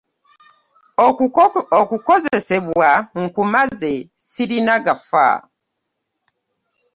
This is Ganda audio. Okukosebwa nkumaze sirina gafa.